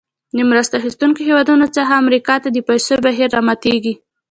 د مرسته اخیستونکو هېوادونو څخه امریکا ته د پیسو بهیر راماتیږي.